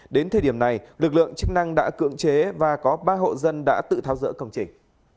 đến thời điểm này lực lượng chức năng đã cưỡng chế và có ba hộ dân đã tự tháo rỡ công trình